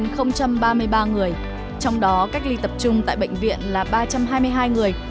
trong đó cách ly tập trung tại bệnh viện là ba trăm hai mươi hai người